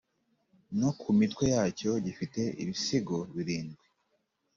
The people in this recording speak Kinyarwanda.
no ku mitwe yacyo gifite ibisingo birindwi.